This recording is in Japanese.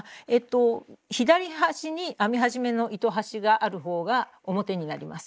左端に編み始めの糸端があるほうが表になります。